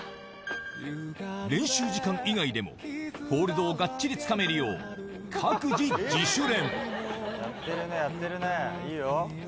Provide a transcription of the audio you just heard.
練習時間以外でも、ホールドをがっちりつかめるよう、各自、自主練。